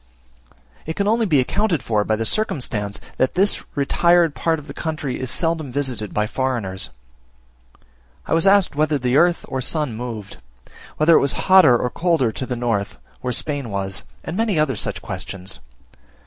It can only be accounted for by the circumstance that this retired part of the country is seldom visited by foreigners. I was asked whether the earth or sun moved; whether it was hotter or colder to the north; where Spain was, and many other such questions.